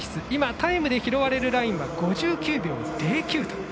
タイムで拾われるラインは５９秒０９。